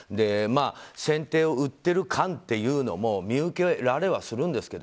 先手を打っている感も見受けられはするんですけど